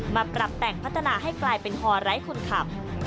มาปรับแต่งพัฒนาให้กลายเป็นฮอไร้คนขับ